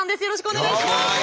よろしくお願いします。